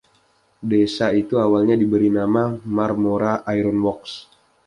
Desa itu awalnya diberi nama Marmora Iron Works.